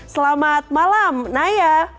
selamat malam naya